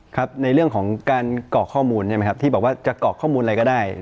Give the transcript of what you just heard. ครับในเรื่องของการเกาะข้อมูลใช่ไหมครับที่บอกว่าจะกรอกข้อมูลอะไรก็ได้